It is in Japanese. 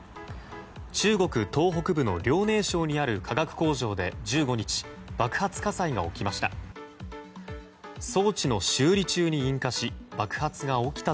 中国東北部の遼寧省にある化学工場で１５日爆発火災が起きました。